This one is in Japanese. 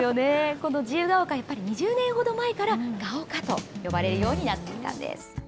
この自由が丘、２０年ほど前からガオカと呼ばれるようになったんです。